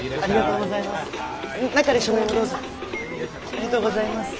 ありがとうございます。